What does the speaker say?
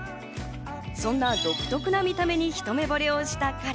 そんな独特な見た目にひと目ぼれをした彼。